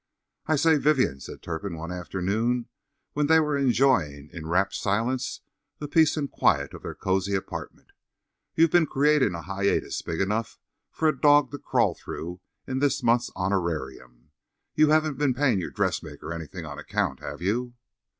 "I say, Vivien," said Turpin, one afternoon when they were enjoying in rapt silence the peace and quiet of their cozy apartment, "you've been creating a hiatus big enough for a dog to crawl through in this month's honorarium. You haven't been paying your dressmaker anything on account, have you?"